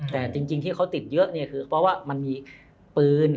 แต่จริงที่เขาติดเยอะเนี่ยคือเพราะว่ามันมีปืน